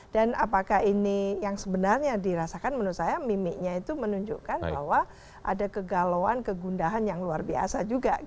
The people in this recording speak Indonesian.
dan apakah ini yang sebenarnya dirasakan menurut saya mimiknya itu menunjukkan bahwa ada kegalauan kegundahan yang luar biasa juga